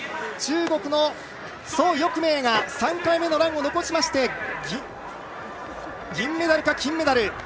中国の蘇翊鳴が３回目のランを残しまして銀メダルか金メダル。